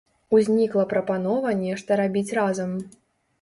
Узнікла прапанова нешта рабіць разам.